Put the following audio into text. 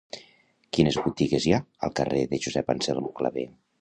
Quines botigues hi ha al carrer de Josep Anselm Clavé?